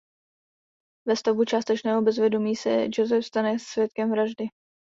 Ve stavu částečného bezvědomí se Joseph stane svědkem vraždy.